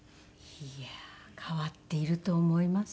いや変わっていると思います。